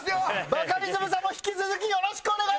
バカリズムさんも引き続きよろしくお願いします！